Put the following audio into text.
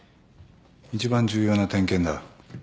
一番重要な点検だ。